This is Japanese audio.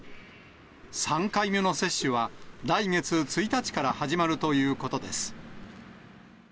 ３回目の接種は来月１日から始まるということです。